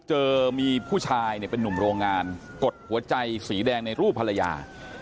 เจอมีผู้ชายเป็นนุ่มโรงงานกดหัวใจสีแดงในรูปภรรยา